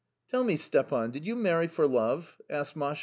Tell me, Stiepan. Did you marry for love? " asked Masha.